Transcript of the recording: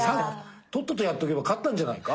とっととやっとけば勝ったんじゃないか？